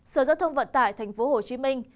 sở giao thông vận tải thành phố hồ chí minh